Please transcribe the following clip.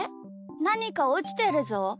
なにかおちてるぞ。